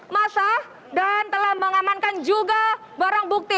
masa dan telah mengamankan juga barang bukti